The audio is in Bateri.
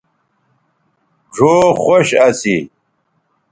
ڙھؤ خوش اسی